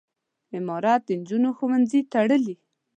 امارت د نجونو ښوونځي تړلي.